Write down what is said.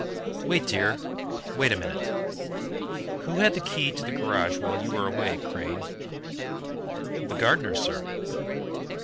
"Wait, dear, wait a minute. Who had the key to the garage while you were away, Crane?" "The gardener, sir."